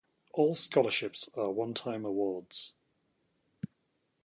All scholarships are one-time awards.